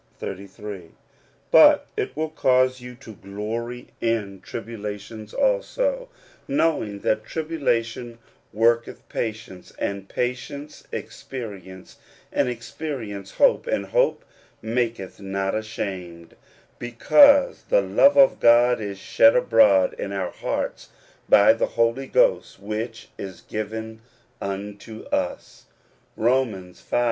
33) : but it will cause you to glory t tribulations also,"knowing that tribulation workct patience ; and patience, experience ; and experience,, hope : and hope maketh not ashamed ; because the love of God is shed abroad in our hearts by the Holy Ghost which is given unto us" (Rom. v.